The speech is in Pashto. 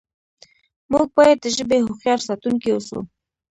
موږ باید د ژبې هوښیار ساتونکي اوسو.